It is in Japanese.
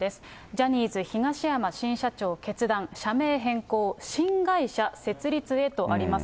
ジャニーズ東山新社長決断、社名変更、新会社設立へとあります。